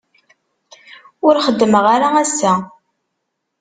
Ur xeddmeɣ ara ass-a.